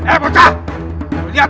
eh bocah lihat